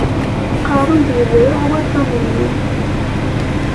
Qqaren-d yedreε waṭṭan-nni.